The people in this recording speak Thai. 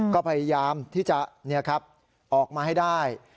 ก็พยายามที่จะออกมาให้ได้